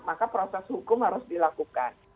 maka proses hukum harus dilakukan